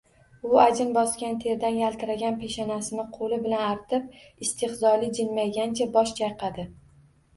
U ajin bosgan, terdan yaltiragan peshanasini qo`li bilan artib, istehzoli jilmaygancha, bosh chayqadi